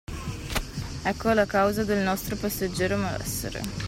Ecco la causa del nostro passeggero malessere.